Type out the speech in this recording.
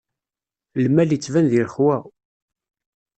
Lmal ittban di lexwa.